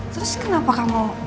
terus kenapa kamu